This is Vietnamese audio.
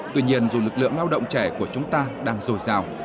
tuy nhiên dù lực lượng lao động trẻ của chúng ta đang dồi dào